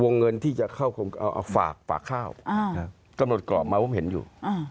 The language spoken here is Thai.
เงินที่จะเข้าคงเอาฝากข้าวกำหนดกรอบมาผมเห็นอยู่